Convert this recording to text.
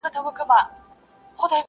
مسافر مه وژنې خاونده،